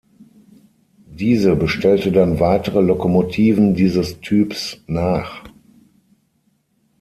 Diese bestellte dann weitere Lokomotiven dieses Typs nach.